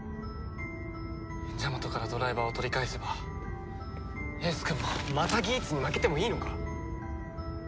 ジャマトからドライバーを取り返せば英寿くんも。またギーツに負けてもいいのか？